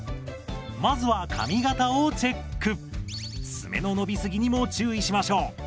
爪の伸びすぎにも注意しましょう。